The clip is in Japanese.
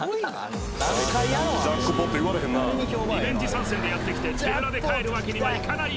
リベンジ参戦でやってきて手ぶらで帰るわけにはいかないＭａｙＪ．